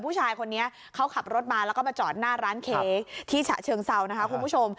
ผู้ชายคนนี้เขาขับรถมาแล้วก็มาจอดหน้าร้านเค้กที่ฉะเชิงเซานะคะคุณผู้ชม